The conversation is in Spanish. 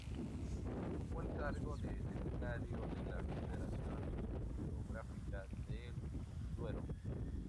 Ocupó el cargo de secretario de la Confederación Hidrográfica del Duero.